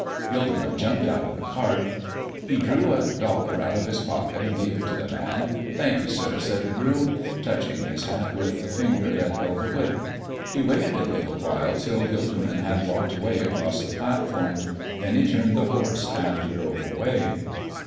Gilderman jumped out of the cart. He drew a dollar out of his pocket and gave it to the man. "Thankee, sir," said the groom, touching his hat with the finger that held the whip. He waited a little while till Gilderman had walked away across the platform, then he turned the horse and drove away.